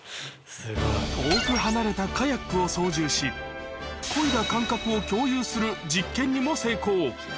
遠く離れたカヤックを操縦し、こいだ感覚を共有する実験にも成功。